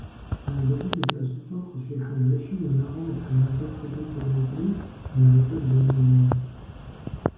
Алыджым илъэсыщӀэр къыщихьэ жэщым унагъуэм и тхьэмадэр щӀыбым къыщӀокӀри, нарыкӀэ блыным йоуэ.